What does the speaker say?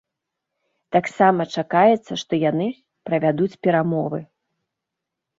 Таксама чакаецца, што яны правядуць перамовы.